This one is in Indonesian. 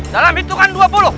dalam hitungan dua puluh